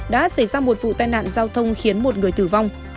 đã xảy ra một vụ tai nạn giao thông khiến một người tử vong